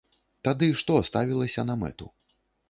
Тады што ставілася на мэту?